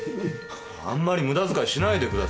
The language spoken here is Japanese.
あんまり無駄使いしないでください。